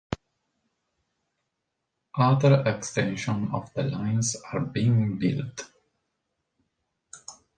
Other extensions of the lines are being built.